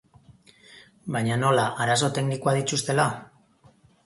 Baina nola, arazo teknikoak dituztela?